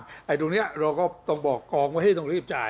แต่ตรงนี้เราก็ต้องบอกกองว่าต้องรีบจ่าย